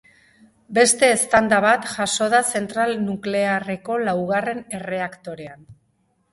Beste eztanda bat jaso da zentral nuklearreko laugarren erreaktorean.